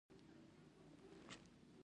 مورغاب سیند د افغان کلتور سره تړاو لري.